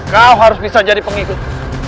kau harus bisa jadi pengikut